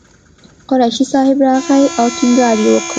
قریشي صاحب راغی او ټینګار یې وکړ.